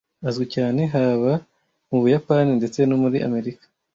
Azwi cyane haba mu Buyapani ndetse no muri Amerika.